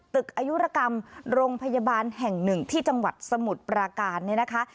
ตึกอายุรกรรมโรงพยาบาลแห่งหนึ่งที่จังหวัดสมุทรปราการเนี่ยนะคะ